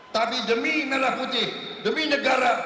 tapi demi merah putih demi negara